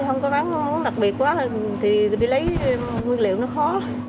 không có bán đặc biệt quá thì đi lấy nguyên liệu nó khó